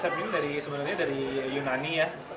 saya ambil konsep ini sebenarnya dari yunani